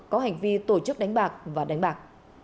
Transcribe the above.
có hành vi tổ chức đánh bạc và đánh bạc